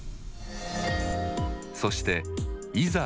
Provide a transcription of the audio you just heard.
そしていざ